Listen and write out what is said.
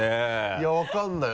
いや分からない